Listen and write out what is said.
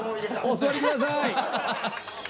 お座りください。